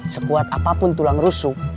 sekuat apapun tulang rusuk